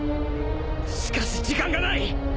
しかし時間がない。